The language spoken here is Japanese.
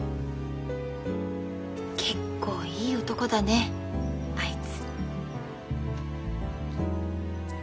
結構いい男だねあいつ。